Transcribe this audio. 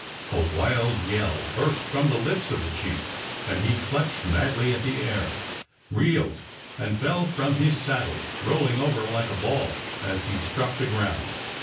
A wild yell burst from the lips of the chief and he clutched madly at the air, reeled, and fell from his saddle, rolling over like a ball as he struck the ground.